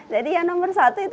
jadi yang nomor satu itu